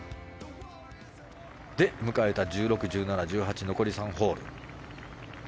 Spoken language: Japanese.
迎えた１６、１７、１８残り３ホール。